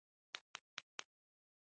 زه له خپلو ملګرو مننه کوم.